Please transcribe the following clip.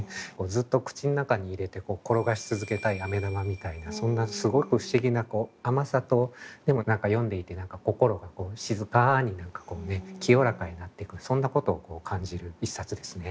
ずっと口の中に入れて転がしつづけたい飴玉みたいなそんなすごく不思議な甘さとでも何か読んでいて心が静かに清らかになっていくそんなことを感じる一冊ですね。